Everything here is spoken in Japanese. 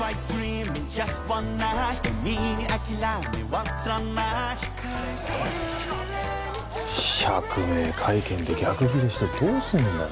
「ＢＥＴＴＩＮＧ」釈明会見で逆ギレしてどうすんだよ。